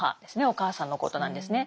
お母さんのことなんですね。